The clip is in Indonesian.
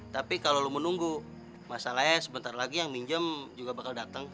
tapi kalau lo menunggu masalahnya sebentar lagi yang minjem juga bakal datang